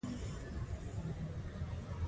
ځینې کسان له طالبتوبه یې لاس اخیستی دی.